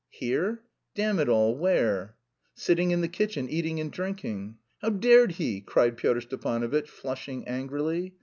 "Here! Damn it all, where?" "Sitting in the kitchen, eating and drinking." "How dared he?" cried Pyotr Stepanovitch, flushing angrily.